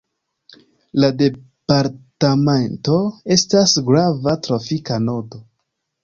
La departamento estas grava trafika nodo.